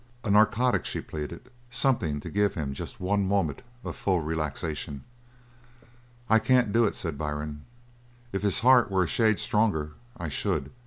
"A narcotic?" she pleaded. "Something to give him just one moment of full relaxation?" "I can't do it," said Byrne. "If his heart were a shade stronger, I should.